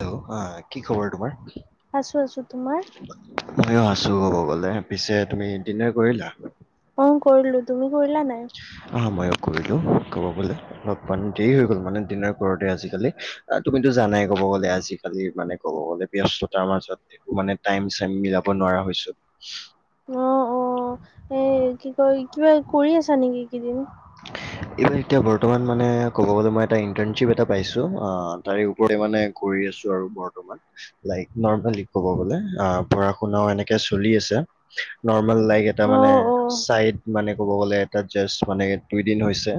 Hello আহ কি খবৰ তোমাৰ? আছো আছো তোমাৰ ময়ো আছোঁ ক'ব গ'লে পিছে তুমি দিনাৰ কৰিলা। কৰিলোঁ তুমি, কৰিলা নাই? কৰিলোঁ ক'ব গ'লে অলপমান দেৰি হৈ গ'ল মানে দিনাৰ ওপৰতে আজিকালি তুমিতো জানাই ক'ব গ'লে আজিকালি মানে ক'ব গ'লে ব্যস্ততাৰ মাজত দেখোঁ মানে টাইম চাইম মিলাব নোৱাৰা হৈছোঁ। অ অ এই কি কয় কিবা কৰি আছা নেকি এইকেইদিন এইবাৰ এতিয়া বৰ্তমান মানে ক'ব গ'লে মই এটা ইন্টাৰশ্বিপ এটা পাইছোঁ তাৰে ওপৰতে মানে কৰি আছোঁ আৰু বৰ্তমান লাইক নৰমেলি ক'ব গ'লে পঢ়া শুনাও এনেকে চলি আছে নৰ্ম নৰ্মেল লাইক এটা অ মানে অ চাইট মানে ক'ব গ'লে তাত জাষ্ট দুই দিন হৈছে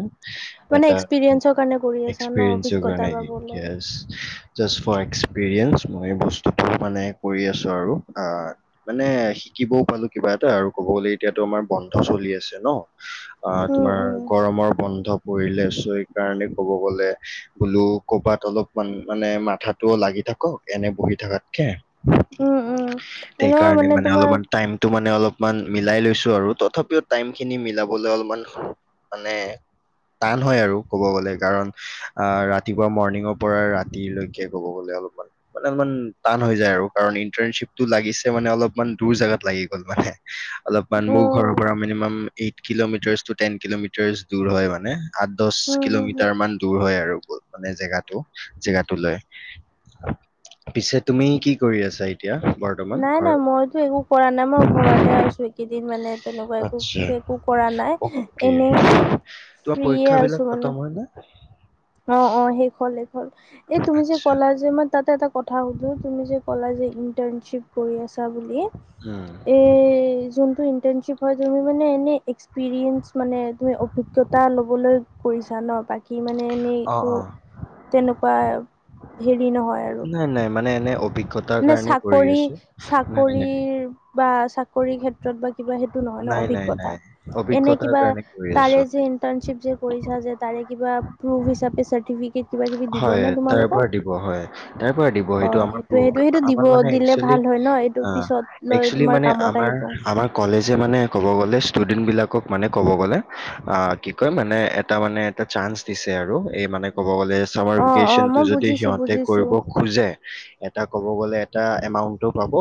মানে এটা এক্সপিৰিয়েঞ্চৰ কাৰণে কৰি আছা ন এক্সপিৰিয়েঞ্চৰ অভিজ্ঞতা কাৰণে পাবলৈ গেছ জাষ্ট ফৰ এক্সপিৰিয়েঞ্চ মই বস্তুটো মানে কৰি আছোঁ আৰু অ মানে শিকিবও পালো কিবা এটা আৰু ক'ব গলে এতিয়াতো আমাৰ বন্ধ চলি আছে ন। অ উম তোমাৰ উম গৰমৰ বন্ধ পৰিলে চ সেইকাৰণে ক'ব গলে বোলো ক'বাত অলপমান মানে মাথাতটো লাগি থাকক এনে বহি থকাতকে ত উম উম এনেও সেইকাৰণে মানে তোমাৰ অলপমান টাইমতটো মানে অলপ অলমান মিলাই লৈছো আৰু তথাপিও টাইমখিনি মিলাবলৈ অলপমান, মানে টান হয় আৰু ক'ব গলে কাৰণ অ ৰাতিপুৱা মৰ্ণিঙৰ পৰা ৰাতিলৈকে ক'ব গ'লে। অলপমান টান হৈ যাই আৰু কাৰণ ইটাৰশিপটো লাগিছে মানে অলপমান দূৰ জাগাত লাগি গল মান অলপমান অ মোৰ ঘৰৰ পৰা minimum eight kilometres ten kilometres দূৰ হয় মানে আঠ দহ হম হম হম কিলোমিটাৰ মান দূৰ হয় আৰু মানে জেগাটো। জেগাটোলৈ। পিছে তুমি কি কৰি আছা এতিয়া? বৰ্তমান নাই নাই ঘৰত মইতো একো কৰা নাই মই ঘৰতে আছো এইকেইদিন মানে তেনেকুৱা একো আচ্ছা একো কৰা নাই, অকে এনে তোমাৰ ফ্ৰীয়ে আছো পৰীক্ষাবিলাক আৰু। খতম হয় নে অ অ শেষ হল শেষ হ'ল, এই তুমি যে আচ্ছা ক'লা যে মই তাতে এটা কথা সুধো তুমি যে ক'লা যে ইন্টাৰ্নশ্বিপ কৰি আছ আছা বুলি উম এই যুনটো ইনটাৰনশ্বিপ হয় তুমি মানে এনেই এক্সপিৰিয়েঞ্চ মানে তুমি অভিজ্ঞতা ল'বলৈ কৰিছা ন? বাকী মানে এনেই অ অ [unintelligible] তেনেকুৱা হেৰি নহয় আৰু নাই নাই, মানে এনে অভিজ্ঞ মানে চাকৰি নাই, চাকৰিৰ বা চাকৰি ক্ষেত্ৰত বা তা সেইটো নহৈ ন নাই, নাই, অভিজ্ঞতা, নাই এনে অভিজ্ঞতাৰ কিবা কাৰণে কৰি তাৰে আছোঁ। যে ইণ্টাৰ্শিপ যে কৰিছা যে তাৰে কিবা প্ৰূফ হিচাপে চৰ্টিফিকেট হয় তাৰ পৰা দিব হয় তাৰ পৰা দিব অ সেইটো আমাৰ সেইটোয়ে প্ৰুফ সেইটোয়ে সেইটো দিব আমাৰ মানে দিলে একচুৱেলী, ভাল হয় ন এইটো আ পিছত লৈ একচুৱেলী তোমাৰ মানে কামত আহিব। আমাৰ কলেজ যে মানে কব গ'লে ষ্টোডেনবিলাকক মানে ক'ব গলে আ কি কই মানে এটা মানে এটা চাঞ্চ চাঞ্চ দিছে আৰু। এই মানে ক'ব গ'লে, চামাৰ অ অ ভেকেশচনটো মই যদি বুজিছো সিহঁতে বুজিছো কৰিব খোজে। এটা ক'ব গ'লে এটা এমাউণ্টটো পাব,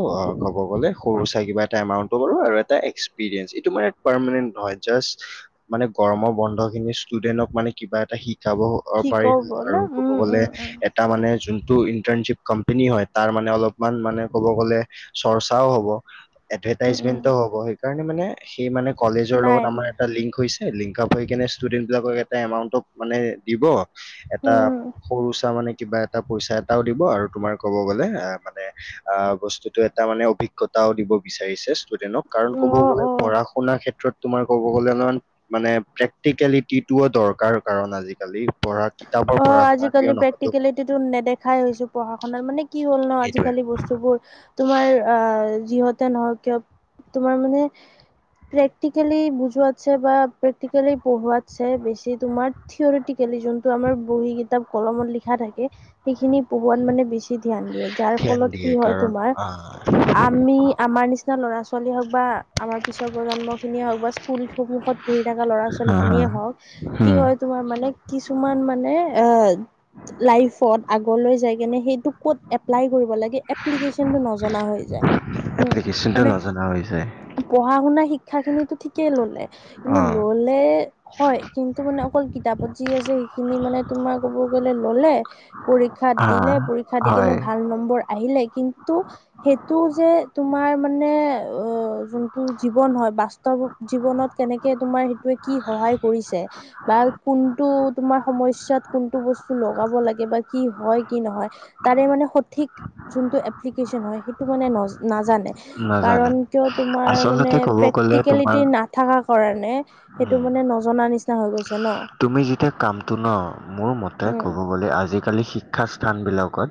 ক'ব গ'লে সৰু ছাই কিবা এটা এমাউণ্টটো পাৱ আৰু এটা এক্স পিৰিয়েন্স এইটো মানে পাৰ্মানেণ্ট নহয়, জাষ্ট মানে গৰমৰ বন্ধ খিনি ষ্টোডেনক কিবা এটা শি শিকাব, শিকক পাৰিল বলে আৰু ক'ব উম গলে উম উম। এটা মানে যোন টো ইন্টাৰনশ্বিপ কম্পেনী হয়, তাৰ মানে অলপমান মানে কব গ'লে চৰ্চাও হ'ব। উম উম এডভেটাইচমেনটো হব সেইকাৰণে মানে সেই মানে কলেজৰ নাই লগত আমাৰ নাই এটা লিংক হৈছ ছে লিংক আপ হৈ কিনে ষ্টুডেন্ট বিলাকক এটা এমাউন্টত মানে দিব। টা উম সৰু চা মানে কিবা এটা পইচা এটাও দিব, আৰু তোমাৰ ক'ব গ'লে অ', মানে অ', বস্তুটো এটা মানে অভিজ্ঞতা তাও দিব বিচাৰিছে ষ্টুডেণক, কাৰণ ক'ব অ গ'লে অ। পঢ়া শুনাৰ ক্ষেত্ৰত তোমাৰ ক'ব গ'লে অলমান মানে প্ৰেক্টিকেলিটি টোয়ো দৰকাৰ কাৰণ আজিকালি কিতাপৰ অ', পঢ়া শুনা আজিকালি কিয় নহয়তো প্ৰেক্টিকেলিটো নেদেখাই হৈছোঁ, পঢ়া শুনাৰ মানে কি হ'ল ন' সেইটোৱে আজিকালি বস্তুবোৰ তোমাৰ আ, যিহঁতে নহওঁক কিয় তোমাৰ মানে প্ৰেক্টেকেলি বুজোৱাতচে বা প্ৰেক্টিকেলি পঢ়োৱাতচে বেছি তোমাৰ থিয়ৰিতি আমাৰ বহী, কিতাপ, কলমত লিখা থাকে সেইখিনি পঢ়োৱাত মানে বেছি ধ্যান দিয়ে, যাৰ ধ্যান ফলত কি দিয়ে হয়, কাৰণ তোমাৰ আহ আমি আমাৰ নিচি না, ল'ৰা ছোৱালী হওঁক বা আমাৰ পিছৰ প্ৰজন্মখিনিয়ে হওঁক বা স্কুল সন্মুখত পঢ়ি থকা ল'ৰা হা হা ছোৱালীখিনিয়ে হওঁক কি হম হয়, তোমাৰ মানে কি কিছুমান মানে আ লাইফত আগলৈ যায় কেনে সেইটো ক'ত এপলাই কৰিব লাগে এপ্লিকেচনটো নজনা হৈ উম, এপ্লিকেশ্যনটো মানে নজনা হৈছে পঢ়া শুনা শিক শিক্ষাখিনিতো ঠিকেই ল'লে, অ কিন্তু ল'লে হয়, কিন্তু মানে অকল কিতাপত যি আছে সেইখিনি মানে তোমাৰ ক'ব গ'লে ল'লে পৰীক্ষাত হা দিলে, পৰীক্ষা দি কেনে হয় ভাল নম্বৰ আহিলে কিন্তু সেইটো যে, তোমাৰ মানে অ', যোনটো জীৱন হয়, বাস্তৱ জীৱনত কেনেকে তোমাৰ সেইটোৱে কি সহায় কৰিছে, বা কোনটো তোমাৰ সমস্যাত কোনটো বস্তু লগাব লাগে, বা কি হয়, কি নহয়, তাৰে মানে সঠিক যোনটো এপ্লিকেচন হয়, সেইটো মানে নজ-নাজানে। নাজানে কাৰণ কিয়, তোমাৰ মানে আচলতে ক'ব গ'লে তোমাৰ প্ৰেক্টিকেলিটি নাথাকা কাৰনে সেইটো উম, মানে নজনা নিচিনা হৈ গৈছ তুমি যেতিয়া কামটো ন? মোৰ মতে উম ক'ব গ'লে আজিকালি শি শিক্ষা স্থানবিলাকত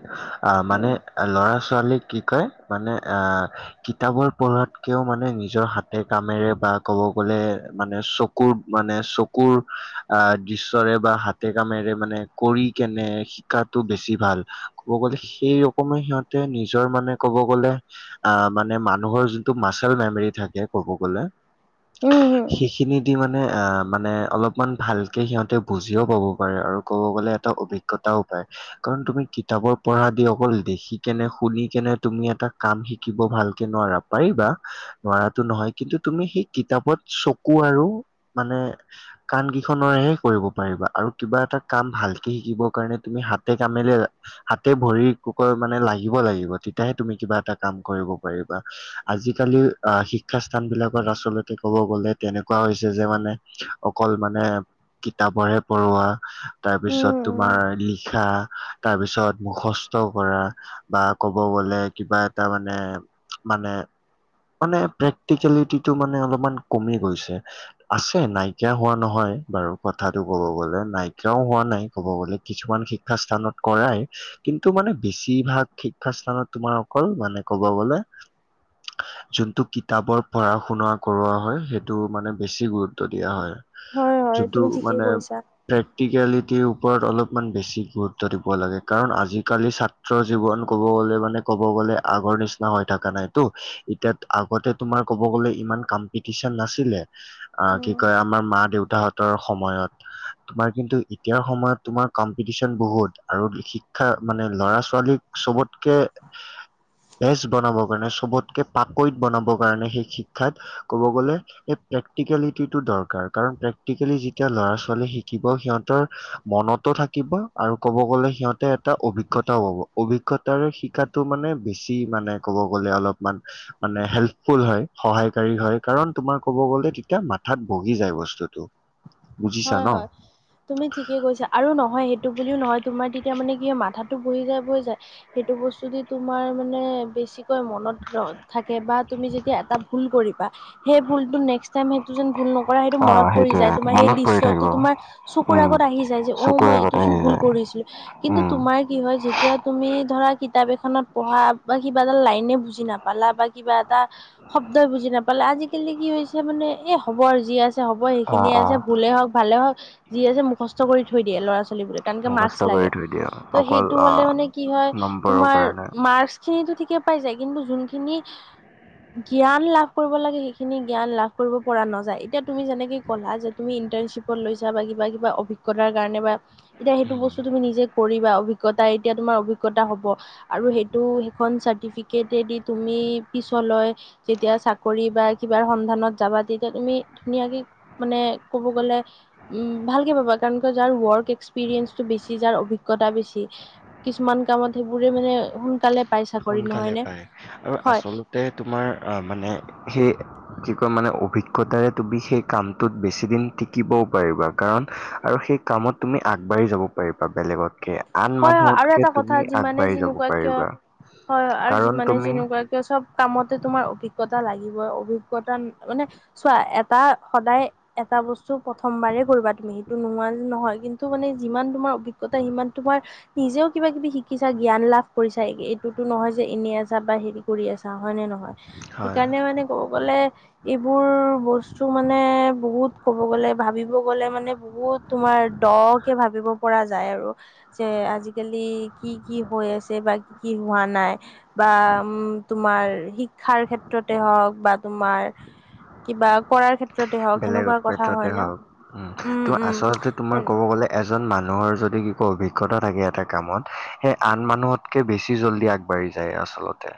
অহ, মানে উম ল'ৰা-ছোৱালী কি কয় মানে অহ কিতাপৰ পঢ়াতকেও মানে নিজৰ হাতে কামেৰে বা ক'ব গ'লে মানে চকুৰ মানে চকুৰ অহ দৃশ্যৰে বা হাতে কামেৰে মানে কৰি কেনে শিকাটো বেছি ভাল ক'ব গ সেই ৰকমে সিহঁতে নিজৰ মানে ক'ব গ'লে অ', মানে মানুহৰ যোনটো মাচল ৰি থাকে ক'ব গ'লে, উম উম সেইখিনিদি মানে অ', মানে অলপমান ভালকে সিহঁতে বুজিও পাব পাৰে আৰু ক'ব গ'লে এটা অভিজ্ঞতাও পায় কাৰণ তুমি কিতাপৰ অ', পঢ়া দি অকল দেখি কেনে শুনি কেনে তুমি এটা কাম শিকিব ভালকে নোৱাৰা, পাৰিবা নোৱাৰাতো নহয় কিন্তু তুমি সেই কিতাপত চকু আৰু মানে কাণ কি ৰেহে কৰিব পাৰিবা আৰু কিবা এটা কাম ভালকে শিকিব কাৰণে তুমি হাতে কামেৰে ভৰি মানে লাগিব লাগিব তেতিয়াহে তুমি কিবা এটা কাম কৰিব পাৰিবা, আজিকালি শিক্ষাস্থান বিলাকত আচলতে কব গ'লে তেনেকুৱা হৈছে যে মানে অকল মানে কিতাপৰ হে পঢ়োৱা তাৰপিছত উম উম তোমাৰ লিখা, তাৰপিছত মুখ কষ্ট কৰা বা ক'ব গ'লে কিবা এটা মানে, মানে মানে প্ৰেক্টিকেলিটিটো মানে অলপমান কমি গৈছে, আছে নাইকিয়া হোৱা নহয়। বাৰু কথাতটো ক'ব গ'লে নাইকিয়াও হোৱা নাই ক'ব গ'লে, কিছুমান শিক্ষা স্থানত কৰাই। কিন্তু মানে বেছিভাগ শিক্ষা স্থানত তোমাৰ অকল মানে ক'ব গ'লে। যোনটো কিতাপৰ পঢ়া-শুনা কৰোৱা হয় সেইটো মানে বেছি গুৰুত্ব দিয়া হয়। হয় হয় যোনটো তুমি ঠিকেই মানে কৈছা প্ৰেক্টিকেলিটিৰ ও ওপৰত অলপমান বেছি গুৰুত্ব দিব লাগে, কাৰণ আজিকালি ছাত্ৰৰ জীৱন ক'ব গ'লে মানে ক'ব গ'লে লে আগৰ নিচিনা হৈ থকা নাই তো এতিয়া আগতে তোমাৰ ক'ব গলে ইমান কম্পিটিচন নাছিলে অ', কি উম কয় আমাৰ মা দেউতাহঁত সময়ত তোমাৰ কিন্তু এতিয়াৰ সময়ত তোমাৰ কম্পিটিচন বহুত আৰু শিক্ষা মানে ল'ৰা ছোৱালীক চবতকে বেজ বনাব কাৰণে চবতকে পাকৈত বনাবৰ কাৰণে সেই শিক্ষাত ক'ব গ'লে প্ৰেক্টিকেলিটিটো দৰকাৰ কাৰণ প্ৰ প্ৰেকক্টিকেলি যেতিয়া ল'ৰা ছোৱালী শিকিব সিহঁতৰ মনতো থাকিব আৰু ক'ব গ'লে সিহঁতে এটা অভিজ্ঞতাও হ'ব, অভিজ্ঞতাৰে শিকাটো মানে বেছি মানে ক'ব গ'লে অলপমান মানে হেল্পফুল হয় সহায়কাৰী হয় কাৰণ তোমাৰ ক'ব গ'লে তেতিয়া মাথাত বহি যায় বস্তুতটো। হয় হয় তুমি ঠিকে কৈছা, আৰু নহয় সেইটো বুলিও নহয় তোমাৰ তেতিয়া মানে কি হয় মাথাাত বহি যায় বহি যায়, সেইটো বস্তু দি তোমাৰ মানে বেছি মনত থাকে বা তুমি যেতিয়া এটা ভুল কৰিবা সেই ভুলতো নেক্স টাইম সেইটো যেন ভুল নকৰা সেইটো অ মনত পৰি সেইটোয়ে যায় তোমাৰেই মনত পৰি থাকিব তোমাৰ চকুৰ উম আগত আহি যায় যে অ', চকুৰ মই আগত এইটোচোন আহি ভুল যায় কৰিছিলো, কিন্তু উম তোমাৰ কি হয় এতিয়া তুমি ধৰা কিতাপ এখনত পঢ়া বা কিবা এটা লাইনে বুজি নাপালা বা কিবা এটা শব্দই বুজি নাপালা আজিকালি কি হৈছে মানে এ হ'ব যি আছে হ'ব অ সেইখিনিয়ে অ আছে ভুলে হওঁক ভালে যি আছে মুখস্থ কৰি থৈ দিয়ে ল'ৰা ছোৱালীবোৰে কাৰণকে মাৰ্ক্স মুখস্থ কৰি লাগে থৈ দিয়ে ত' অকল সেইটো হ'লে মানে কি হয় আহ নম্বৰৰ তোমাৰ কাৰণে। মাৰ্ক্স ঠিকে পাই যায় কিন্তু যোনখিনি জ্ঞান লাভ কৰিব লাগে সেইখিনি জ্ঞান লাভ কৰিব পৰা নাযায় এতিয়া তুমি যেনেকে ক'লা যে তুমি ইণ্টাৰ্নশ্বিপত লৈছা বা কিবা কিবা অভিজ্ঞতাৰ কাৰণে বা এতিয়া সেইটো উম, বস্তু তুমি নিজে কৰিবা অভিজ্ঞ অভিজ্ঞতা এতিয়া তোমাৰ অভিজ্ঞতা হ'ব আৰু সেইটো সেইখন চাৰ্টিফিকেটদি তুমি পিছত লৈ যেতিয়া চাকৰি বা কিবাৰ সন্ধানত যাবা তেতিয়া তুমি ধুনীয়াকে মানে ক'ব গ'লে উ ভালকে পাবা কাৰণ যাৰ ৱৰ্ক এক্সপিৰিয়েন্ঞ্চটো বেছি যাৰ অভিজ্ঞতা বেছি কিছু কামত সেইবোৰে মানে সোনকালে পাই চাকৰি সোনকালে নহয় নে পায় আৰু হয় আচলতে তোমাৰ আহ মানে সেই কি কয় মানে অভিজ্ঞতাৰে তুমি সেই কামটোত বেছিদিন টিকিবও পাৰিবা কাৰণ আৰু সেই কামত তুমি আগবাঢ়ি যাব পাৰিবা বেলেগতকে। আন হয় হয় আৰু মানুহতকে এটা কথা তুমি যিমানে আগবাঢ়ি যাব যেনেকুৱা কিয় পাৰিবা। হয় আৰু কাৰণ যিমানে তুমি নকৰা কিয় চব কামতে তোমাৰ অভিজ্ঞতা লাগিব অভিজ্ঞতা মানে চোৱা এটা সদায় এটা বস্তু প্ৰথমবাৰে কৰিবা তুমি সেইটো নোহোৱা যে নহয় কিন্তু মানে যিমান তোমাৰ অভিজ্ঞতা সিমান তোমাৰ নিজেও কিবা কিবি শিকিছা জ্ঞান লাভ কৰিছা এইটোতো নহয় যে এনে আছা বা হেৰি কৰি আছা। হয় নে নহয়, হয়। সেইকাৰণে মানে ক'ব গ'লে এইবোৰ বস্তু মানে বহুত ক'ব গ'লে ভাবিব গ'লে মানে বহুত তোমাৰ দকে ভাবিব পৰা যায় আৰু। যে আজিকালি কি কি হৈ আছে বা কি কি হোৱা নাই বা তোমাৰ শিক্ষাৰ ক্ষেত্ৰতে হওঁক বা তোমাৰ কিবা কৰাৰ ক্ষেত্ৰ বেলেগ ক্ষেত্ৰতে হওঁক উম, তোৰ আচলতে তোমাৰ ক'ব গ'লে এচ এজন মানুহৰ যদি অভিজ্ঞতা থাকে এটা কামত সেই আন মানুহতকে বেছি জল্দি আগবাঢ়ি যায় আচলতে।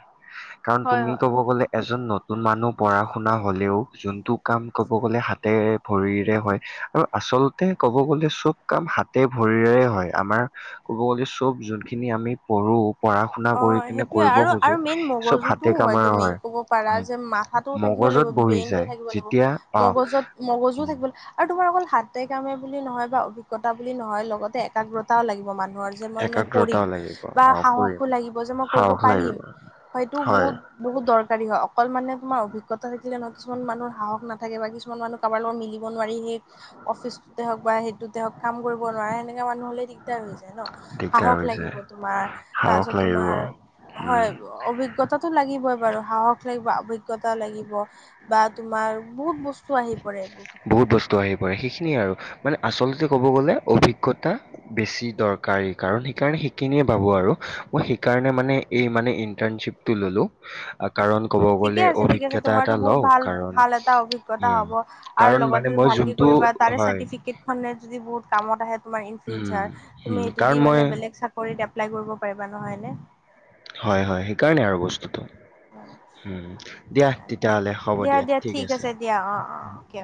কাৰণ হয় তুমি হয় ক'ব গ'লে এজন নতুন মানুহ পঢ়া শুনা হ'লেও যোনটো কাম ক'ব গ'লে হাতেৰে ভৰিৰে হয় আৰু আচলতে ক'ব গ'লে চব কাম হাতে ভৰিৰে হয় আমাৰ ক'ব গ'লে চব যোনখিনি আমি পঢ়ো পঢ়া শুনা অ কৰি কিনে সেইটোয়ে কৰিব আৰু খোজো আৰু মেইন চব হাতে মগজুটোও কামাৰ তুমি হয়। ক'ব পাৰা যে মাথাটো ম থাকিব লাগিব কজত বহি ব্ৰেইনটো যায় থাকিব লাগিব যেতিয়া মগজত মগজু থাকিব সেইটো বাৰু অকল হাতে কামে বুলি নহয় বা অভিজ্ঞতা বুলি নহয় লগতে একাগ্ৰতাও লাগিব মানুহ ব্ৰজ মন মই কৰিম একাগ্ৰতাও লাগিব বা অ সাহস কৰিম লাগিব যে মই কৰিব সাহস পাৰিম লাগিব হয়টো হয় বহুত বহুত দৰকাৰী হয়, অকল মানে তোমাৰ অভিজ্ঞা থাকিলে নহক কিুমান মানুহ সাহস নাথাকে বা কিছুমান মানুহ কাৰবাৰ লগত মিলিব নোৱাৰি হেই অফিচতে হওঁক বা সেইটোতে হওঁক কাম কৰিব নোৱাৰে, সেনেকা মানুহ হ'লে দিগদাৰ হৈ যায় ন দিগদাৰ সাহস হৈ লাগিব যায় তোমাৰ সাহস তাৰপিছত লাগিব তোমাৰ হয় উম অভিজ্ঞতাটো লাগিব। সাহস লাগিব, অভিজ্ঞতা লাগিব বা তোমাৰ বহুত বস্তু আহি পৰে এইবোৰৰ ক্ষেত্ৰত। বহুত বস্তু আহি সেইখিনিয়ে আৰু মানে আচলতে ক'ব গ'লে অভিজ্ঞতা বেছি দৰকাৰী কাৰণ সেইকাৰণে সেই খিনিয়ে পাব আৰু অ'সেইকাৰণে মানে এই মানে ইনণ্টেটশ্বিপটো ললোঁ। কাৰণ ক'ব ঠিকে গ'লে আছে ঠিক আছে অভিজ্ঞতা এটা তোমাৰতো বহুত লওঁ ভাল কাৰণ ভাল এটা অভিজ্ঞতা উম হ'ব আৰু কাৰণ মানে লগতে মই ভালকে যোনটো কৰিবা, তাৰে হয় চাৰ্টিফিকেট খনে যদি বহুত কামত আহে তোমাৰ ইন উম ফিউচাৰ তুমি উম এইটো কাৰণ দি মই মানে বেলেগ চাকৰিত এপ্লেলাই কৰিব পাৰিবা নহয় এনে হয়, হয়। সেইকাৰণে আৰু বস্তুটো। উম, দিয়া তেতিয়া হ'লে হ'ব দিয়া ঠিক আছে। অ' অ' অকে অকে